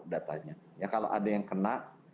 datanya ya kalau ada yang kena